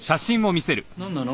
なんなの？